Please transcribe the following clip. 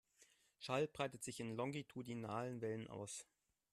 Schall breitet sich in longitudinalen Wellen aus.